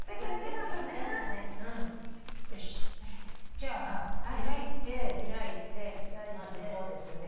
じゃあ開いてまずこうですよね。